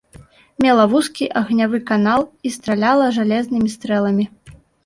Мела вузкі агнявы канал і страляла жалезнымі стрэламі.